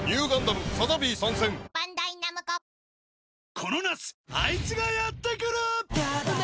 この夏アイツがやって来る！